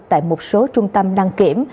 tại một số trung tâm đăng kiểm